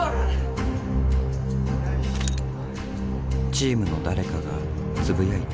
チームの誰かがつぶやいた。